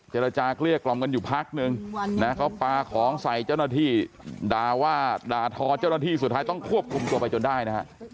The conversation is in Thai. เจรจาเกลี้ยกล่อมกันอยู่พักนึงนะเขาปลาของใส่เจ้าหน้าที่ด่าว่าด่าทอเจ้าหน้าที่สุดท้ายต้องควบคุมตัวไปจนได้นะฮะ